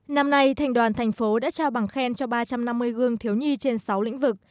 năm nay thành đoàn thành phố đã trao bằng khen cho ba trăm năm mươi gương thiếu nhi trên sáu lĩnh vực